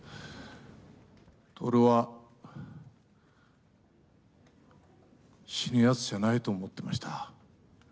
徹は死ぬ奴じゃないと思ってました。